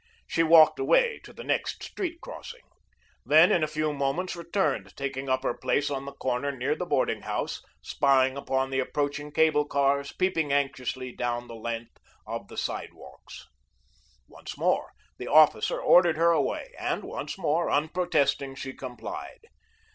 She walked away to the next street crossing. Then, in a few moments returned, taking up her place on the corner near the boarding house, spying upon the approaching cable cars, peeping anxiously down the length of the sidewalks. Once more, the officer ordered her away, and once more, unprotesting, she complied.